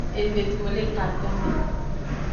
Eve to le katonme.